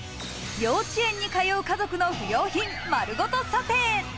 幼稚園に通う家族の不用品、丸ごと査定。